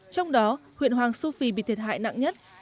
trong đó huyện hoàng su phi bị thiệt hại nặng nhất